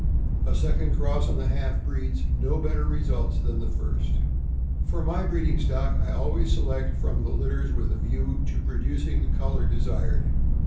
A second cross on the half breeds; no better results than the first. For my breeding stock, I always select from the litters with a view to producing the color desired.